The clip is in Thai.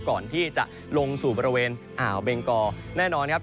ก่อนที่จะลงสู่บริเวณอ่าวเบงกอแน่นอนครับ